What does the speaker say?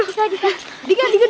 terus bagaimana sekarangitasnya mas